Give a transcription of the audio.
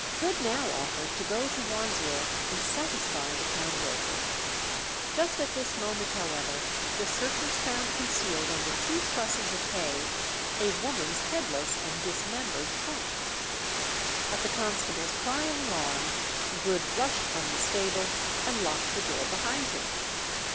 Good now offered to go to Wandsworth and satisfy the pawnbroker. Just at this moment, however, the searchers found concealed under two trusses of hay a woman's headless and dismembered trunk. At the constable's cry of alarm Good rushed from the stable and locked the door behind him.